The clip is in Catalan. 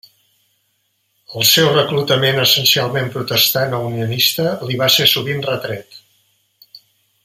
El seu reclutament essencialment protestant o unionista li va ser sovint retret.